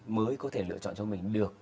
mới có thể lựa chọn cho mình được